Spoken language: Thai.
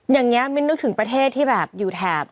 อย่างนี้มิ้นนึกถึงประเทศที่แบบอยู่แถบ